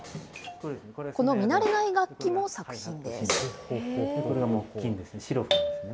この見慣れない楽器も作品です。